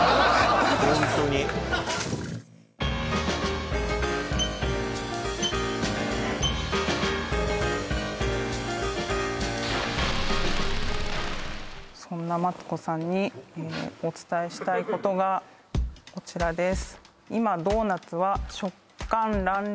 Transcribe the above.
ホントにそんなマツコさんにお伝えしたいことがこちらです